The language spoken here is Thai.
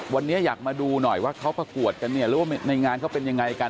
วันนี้อยากมาดูหน่อยว่าเขาประกวดกันเนี่ยหรือว่าในงานเขาเป็นยังไงกัน